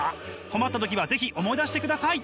困った時は是非思い出してください！